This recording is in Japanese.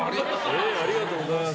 ありがとうございます。